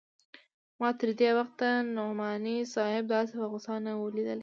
ما تر دې وخته نعماني صاحب داسې په غوسه نه و ليدلى.